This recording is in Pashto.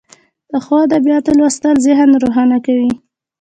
د ښو ادبیاتو لوستل ذهن روښانه کوي.